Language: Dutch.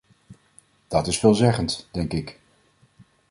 Dat is veelzeggend, denk ik.